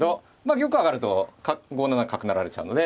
玉上がると５七角成られちゃうので。